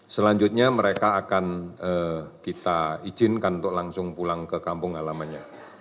selanjutnya mereka akan kita izinkan untuk langsung pulang ke kampung halamannya